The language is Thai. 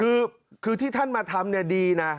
คือที่ท่านมาทำเนี่ยดีนะ